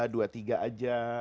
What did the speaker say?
dua tiga aja